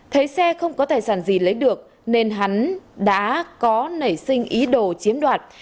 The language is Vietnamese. thấy xe không có tài sản gì lấy được nên hắn đã có nảy sinh ý đồ chiếm đoạt